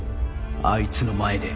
あいつの前で。